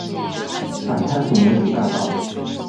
反貪腐民主大道